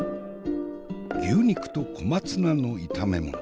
牛肉と小松菜の炒めもの。